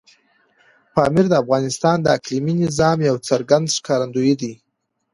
پامیر د افغانستان د اقلیمي نظام یو څرګند ښکارندوی دی.